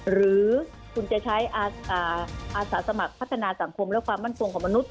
หรือคุณจะใช้อาสาสมัครพัฒนาสังคมและความมั่นคงของมนุษย